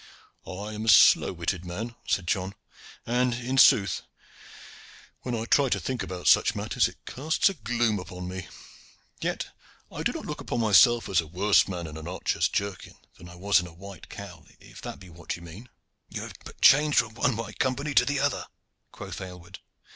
"I am a slow witted man," said John, "and, in sooth, when I try to think about such matters it casts a gloom upon me. Yet I do not look upon myself as a worse man in an archer's jerkin than I was in a white cowl, if that be what you mean." "You have but changed from one white company to the other," quoth Aylward.